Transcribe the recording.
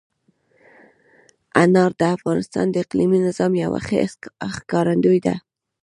انار د افغانستان د اقلیمي نظام یوه ښه ښکارندوی ده.